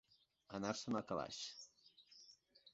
Anar-se'n al calaix.